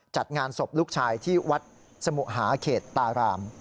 จัดงานศพลูกชายที่วัดสมุหาเขตตาราม